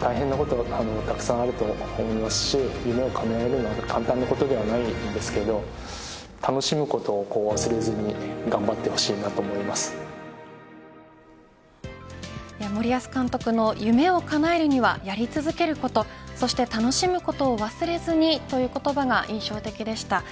大変なことはたくさんあると思いますし夢をかなえるのは簡単なことではないんですけども楽しむことを忘れずに森保監督の夢をかなえるにはやり続けることそして楽しむことを忘れずにという言葉が印象的でした。